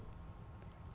và có thể là